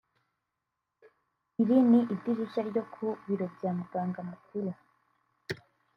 Iri ni idirishya ryo ku biro bya muganga mukuru